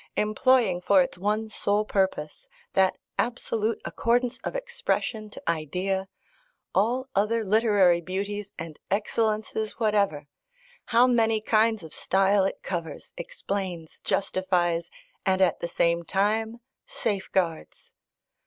employing for its one sole purpose that absolute accordance of expression to idea all other literary beauties and excellences whatever: how many kinds of style it covers, explains, justifies, and at the same time safeguards!